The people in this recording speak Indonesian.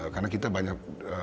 karena kita banyak